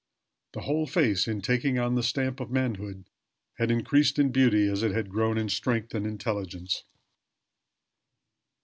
The whole face, in taking on the stamp of manhood, had increased in beauty as it had grown in strength and intelligence.